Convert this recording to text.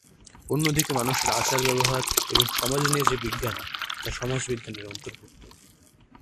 অন্যদিকে মানুষের আচার-ব্যবহার এবং সমাজ নিয়ে যে বিজ্ঞান তা সমাজ বিজ্ঞানের অন্তর্ভুক্ত।